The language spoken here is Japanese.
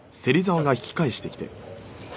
あ。